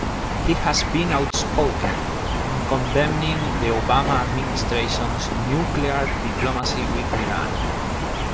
He has been outspoken in condemning the Obama administration's nuclear diplomacy with Iran.